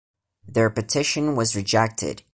Their petition was rejected.